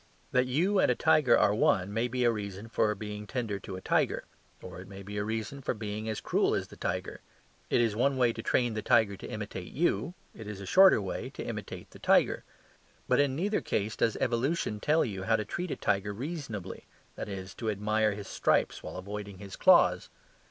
That you and a tiger are one may be a reason for being tender to a tiger. Or it may be a reason for being as cruel as the tiger. It is one way to train the tiger to imitate you, it is a shorter way to imitate the tiger. But in neither case does evolution tell you how to treat a tiger reasonably, that is, to admire his stripes while avoiding his claws.